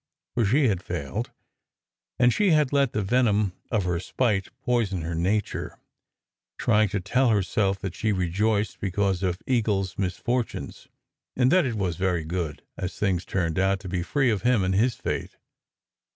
For she had failed; and she had let the venom of her spite poison her nature, trying to tell herself that she rejoiced because of Eagle s misfortunes, and that it was very good, as things turned out, to be free of him and his fate.